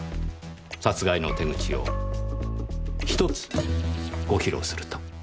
殺害の手口を１つご披露すると。